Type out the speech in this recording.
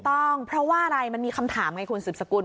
ต้องเพราะว่าอะไรมันมีคำถามไงคุณสืบสกุล